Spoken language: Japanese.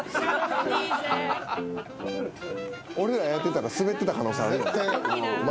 俺らやってたらスベってた可能性ある。